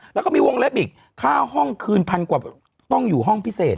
แล้วก็มีวงเล็บอีกค่าห้องคืนพันกว่าต้องอยู่ห้องพิเศษ